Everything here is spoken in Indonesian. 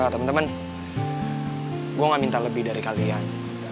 teman teman gue gak minta lebih dari kalian